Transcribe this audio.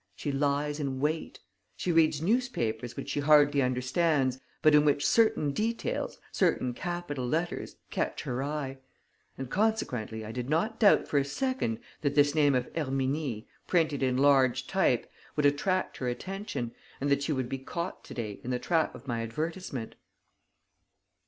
She lies in wait. She reads newspapers which she hardly understands, but in which certain details, certain capital letters catch her eye. And consequently I did not doubt for a second that this name of Herminie, printed in large type, would attract her attention and that she would be caught to day in the trap of my advertisement."